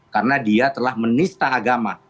karena dia telah menista agama